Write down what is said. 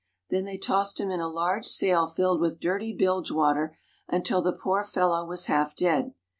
They then tossed him in a large sail filled with dirty bilge water until the poor fellow was half dead.